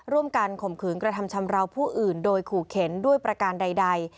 ข่มขืนกระทำชำราวผู้อื่นโดยขู่เข็นด้วยประการใด